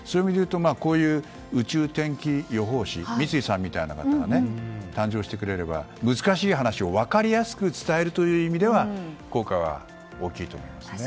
こういう宇宙天気予報士に三井さんみたいな人が誕生してくれれば難しい話を分かりやすく伝えるという意味では効果は大きいと思いますね。